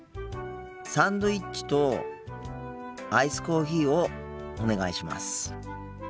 サンドイッチとアイスコーヒーをお願いします。